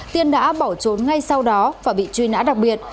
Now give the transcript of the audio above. tiên đã bỏ trốn ngay sau đó và bị truy nã đặc biệt